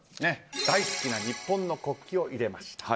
大好きな日本の国旗を入れました。